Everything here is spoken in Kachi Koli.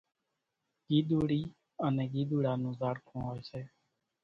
ڳيۮوڙِي انين ڳيۮوڙا نون زاڙکون هوئيَ سي۔